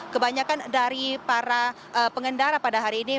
kebanyakan dari para pengendara pada hari ini